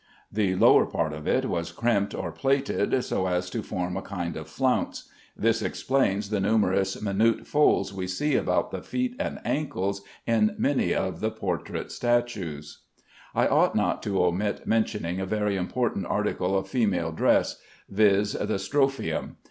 The lower part of it was crimped or plaited, so as to form a kind of flounce. This explains the numerous minute folds we see about the feet and ankles in many of the portrait statues. I ought not to omit mentioning a very important article of female dress, viz., the "strophium."